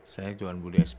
saya cuman budi sp